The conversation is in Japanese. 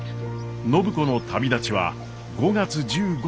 暢子の旅立ちは５月１５日。